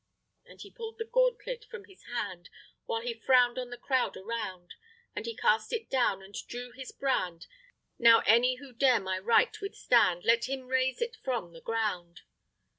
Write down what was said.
And he pull'd the gauntlet from his hand, While he frown'd on the crowd around, And he cast it down, and drew his brand, "Now any who dare my right withstand, Let him raise it from the ground."